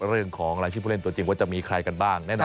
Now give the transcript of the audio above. เรื่องของที่ผู้เล่นตัวจริงว่าจะมีใครกันบ้าง